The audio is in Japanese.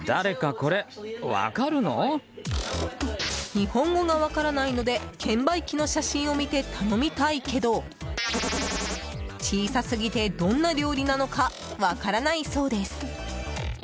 日本語が分からないので券売機の写真を見て頼みたいけど小さすぎて、どんな料理なのか分からないそうです。